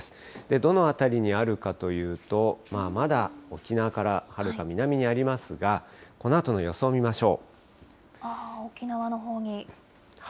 どの辺りにあるかというと、まあまだ、沖縄からはるか南にありますが、このあとの予想見ましょう。